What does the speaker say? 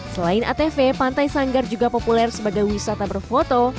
selain atv pantai sanggar juga populer sebagai wisata berfoto